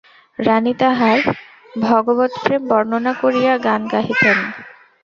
রানী তাঁহার ভগবৎপ্রেম বর্ণনা করিয়া গান গাহিতেন।